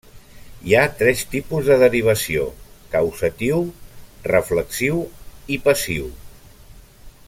Hi ha tres tipus de derivació: causatiu, reflexiu i passiu.